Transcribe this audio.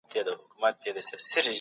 درمل